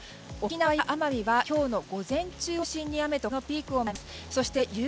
沖縄や奄美は今日の午前中を中心に雨と風のピークを迎えます。